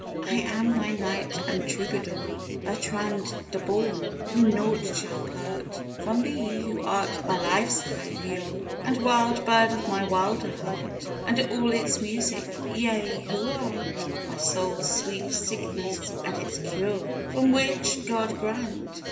I am thy knight and troubadour, Bertrand de Born, whom naught shall part From thee: who art my life's high lure, And wild bird of my wilder heart And all its music: yea, who art My soul's sweet sickness and its cure, From which, God grant!